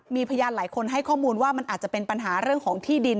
มีพยานหลายคนให้ข้อมูลว่ามันอาจจะเป็นปัญหาเรื่องของที่ดิน